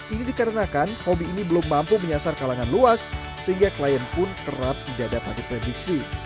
ini dikarenakan hobi ini belum mampu menyasar kalangan luas sehingga klien pun kerap tidak dapat diprediksi